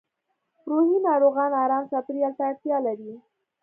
روحي ناروغان ارام چاپېریال ته اړتیا لري